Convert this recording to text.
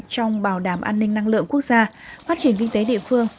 trong bảo đảm an ninh năng lượng quốc gia phát triển kinh tế địa phương